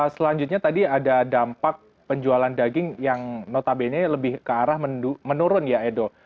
selanjutnya tadi ada dampak penjualan daging yang notabene lebih ke arah menurun ya edo